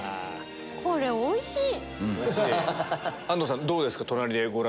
これおいしい！